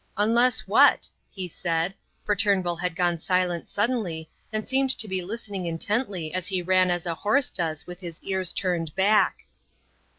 "Unless what?" he said, for Turnbull had gone silent suddenly, and seemed to be listening intently as he ran as a horse does with his ears turned back.